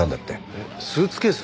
えっスーツケース？